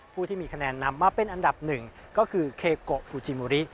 ผู้ที่มีคะแนนนำมาเป็นอันดับหนึ่งก็คือเคโกฟูจิมูริ